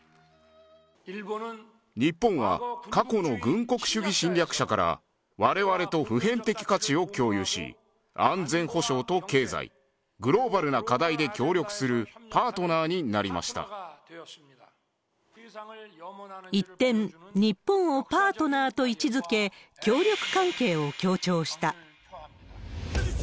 日本は、過去の軍国主義侵略者からわれわれと普遍的価値を共有し、安全保障と経済、グローバルな課題で協力するパートナーになりま一転、日本をパートナーと位置づけ、協力関係を強調した。